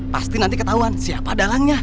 pasti nanti ketahuan siapa dalangnya